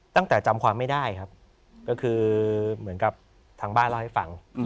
จำความไม่ได้ครับก็คือเหมือนกับทางบ้านเล่าให้ฟัง